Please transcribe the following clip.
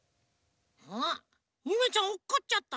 あっゆめちゃんおっこっちゃった。